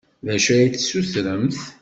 D acu ad d-tessutremt?